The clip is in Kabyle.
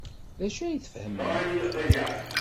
D acu ay tfehmemt?